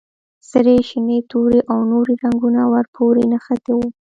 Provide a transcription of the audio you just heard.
سرې، شنې، تورې او نورې رنګونه ور پورې نښتي وو.